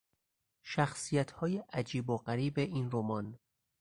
شخصیتهای عجیب و غریب این رمان